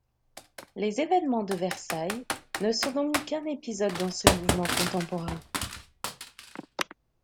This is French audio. Les événements de Versailles ne sont donc qu'un épisode dans ce mouvement contemporain.